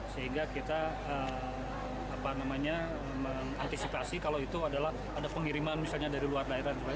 sehingga kita mengantisipasi kalau itu adalah ada pengiriman misalnya dari luar daerah